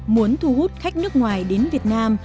muốn thu hút khách nước ngoài đến việt nam